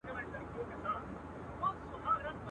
تل زاړه کفن کښان له خدایه غواړي.